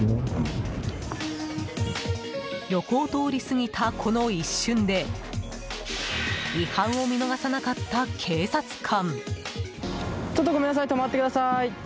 横を通り過ぎたこの一瞬で違反を見逃さなかった警察官。